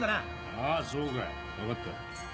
ああそうかい分かったよ。